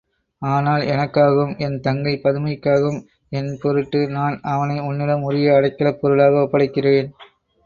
ஆனால், எனக்காகவும், என் தங்கை பதுமைக்காகவும் என் பொருட்டு நான் அவனை உன்னிடம் உரிய அடைக்கலப் பொருளாக ஒப்படைக்கிறேன்.